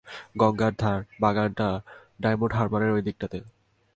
গঙ্গার ধার, বাগানটা ডায়মণ্ডহার্বারের ঐ দিকটাতে।